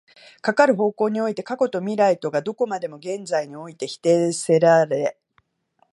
かかる方向において過去と未来とがどこまでも現在において否定せられ、